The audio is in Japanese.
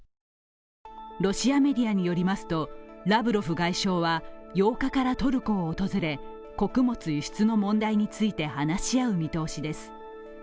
ロシアメディアによりますとラブロフ外相は８日からトルコを訪れ穀物輸出の問題について話し合う見通しです。